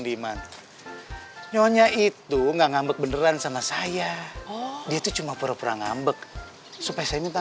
diman nyonya itu nggak ngambek beneran sama saya oh itu cuma pura pura ngambek supaya saya minta